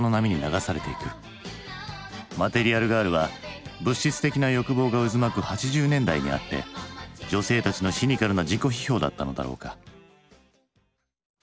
「マテリアル・ガール」は物質的な欲望が渦巻く８０年代にあって女性たちのシニカルな自己批評だったのだろうか？